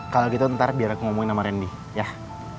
kalo gitu ntar biar aku ngomongin sama randy yah